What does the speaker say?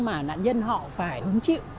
mà nạn nhân họ phải hứng chịu